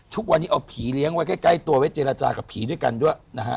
ทุกวันนี้เอาผีเลี้ยงไว้ใกล้ตัวไว้เจรจากับผีด้วยกันด้วยนะฮะ